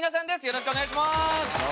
よろしくお願いします。